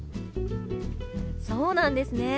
そうなんですね。